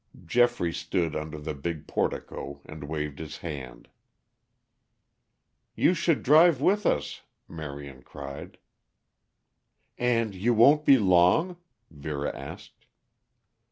Geoffrey stood under the big portico and waved his hand. "You should drive with us," Marion cried. "And you won't be long?" Vera asked.